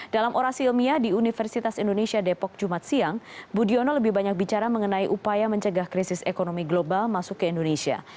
dalam orasi ilmiah di universitas indonesia depok jumat siang budiono lebih banyak bicara mengenai upaya mencegah krisis ekonomi global masuk ke indonesia